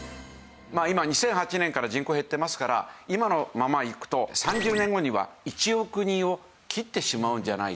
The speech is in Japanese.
今２００８年から人口減ってますから今のままいくと３０年後には１億人を切ってしまうんじゃないかという。